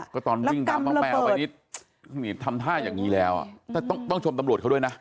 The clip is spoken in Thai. ก็ตอนวิ่งตามน้องแมวไปนี่ทำท่าอย่างนี้แล้วต้องชมตำรวจเขาด้วยนะ